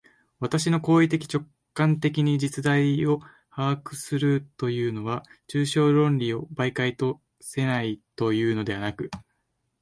私の行為的直観的に実在を把握するというのは、抽象論理を媒介とせないというのではなく、